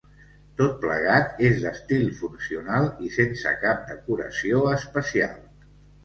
Tot plegat és d'estil funcional i sense cap decoració especial.